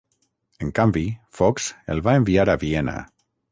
En canvi, Fox el va enviar a Viena.